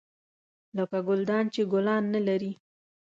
لکه ګلدان چې ګلان نه لري .